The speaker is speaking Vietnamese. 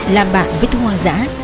làm bạn với thu hoang dã